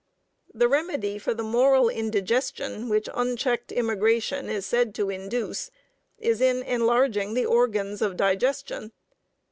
The remedy for the moral indigestion which unchecked immigration is said to induce is in enlarging the organs of digestion.